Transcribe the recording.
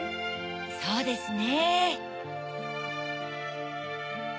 そうですね。